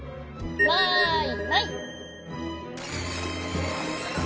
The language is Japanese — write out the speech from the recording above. マイマイ。